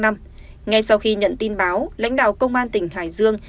ngay sau khi nhận tin báo lãnh đạo công an tỉnh hải dương